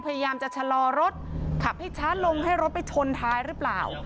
พยายามจะชะลอรถขับให้ช้าลงให้รถไปชนท้ายหรือเปล่า